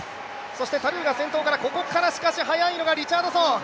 そしてタルーが先頭、しかしここから速いのがリチャードソン。